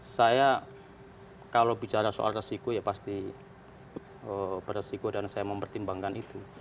saya kalau bicara soal resiko ya pasti beresiko dan saya mempertimbangkan itu